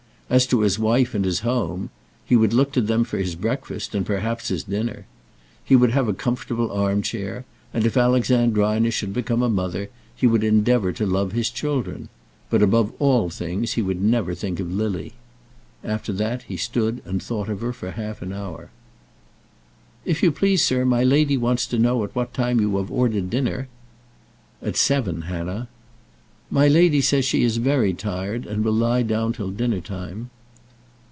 As to his wife and his home, he would look to them for his breakfast, and perhaps his dinner. He would have a comfortable arm chair, and if Alexandrina should become a mother, he would endeavour to love his children; but above all things he would never think of Lily. After that he stood and thought of her for half an hour. "If you please, sir, my lady wants to know at what time you have ordered dinner." "At seven, Hannah." "My lady says she is very tired, and will lie down till dinner time."